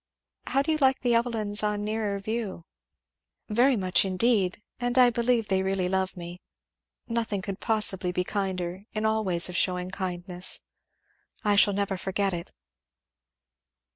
"How do you like the Evelyns on a nearer view?" "Very much indeed; and I believe they really love me. Nothing could possibly be kinder, in all ways of shewing kindness. I shall never forget it."